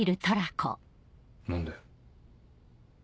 何だよ？